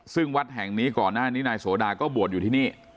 ซึ่งวัดแห่งนี้ก่อนหน้านี้นายโสดาก็บวชอยู่ที่นี่